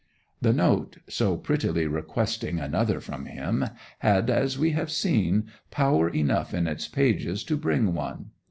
The note, so prettily requesting another from him, had, as we have seen, power enough in its pages to bring one.